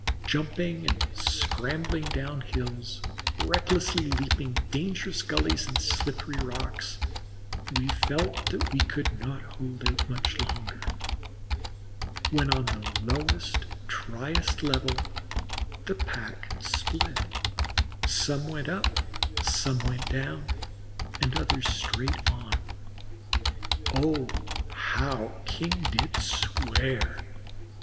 Jumping and scrambling down hills, recklessly leaping dangerous gullies and slippery rocks, we felt that we could not hold out much longer; when on the lowest, dryest level the pack split, some went up, some went down, and others straight on. Oh, how King did swear!